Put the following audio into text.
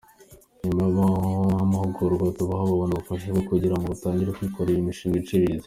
Nyuma y’amahugurwa tubaha babona ubufasha bwo kugira ngo batangire kwikorera imishinga iciriritse.